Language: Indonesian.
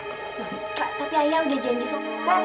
pak tapi ayah udah janji sama raka